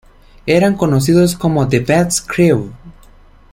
Eran conocidos como "The Beast Crew".